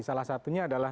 salah satunya adalah